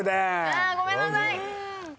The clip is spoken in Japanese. あごめんなさい。